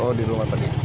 oh di rumah tadi